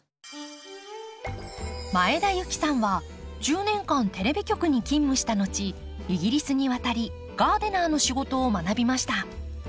前田有紀さんは１０年間テレビ局に勤務した後イギリスに渡りガーデナーの仕事を学びました。